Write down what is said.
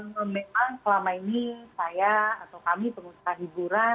memang selama ini saya atau kami pengusaha hiburan